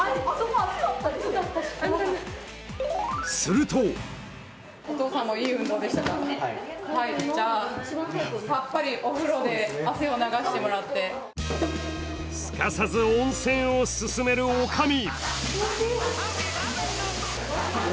するとすかさず温泉をすすめるおかみ。